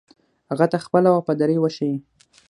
هغه ته خپله وفاداري وښيي.